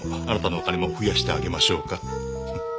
「あなたのお金も増やしてあげましょうか？」